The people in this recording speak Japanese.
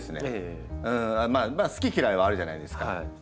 まあ好き嫌いはあるじゃないですか。